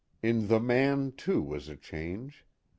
In the man, too, was a change.